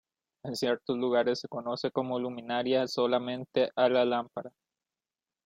En ciertos lugares se conoce como luminaria solamente a la lámpara.